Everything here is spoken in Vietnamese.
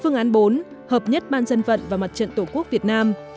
phương án bốn hợp nhất ban dân vận và mặt trận tổ quốc việt nam